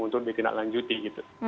untuk ditindaklanjuti gitu